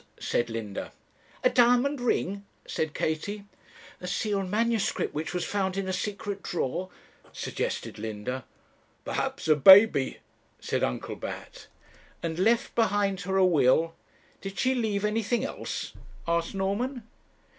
said Linda. 'A diamond ring?' said Katie. 'A sealed manuscript, which was found in a secret drawer?' suggested Linda. 'Perhaps a baby,' said Uncle Bat. "And left behind her a will " 'Did she leave anything else?' asked Norman.